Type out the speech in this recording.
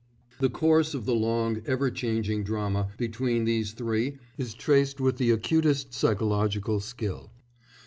The course of the long, ever changing drama between these three is traced with acutest psychological skill.